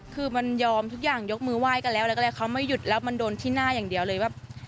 คือมันยอมทุกอย่างยกมือไห้กันแล้วอะไรก็ได้เขาไม่หยุดแล้วมันโดนที่หน้าอย่างเดียวเลยว่า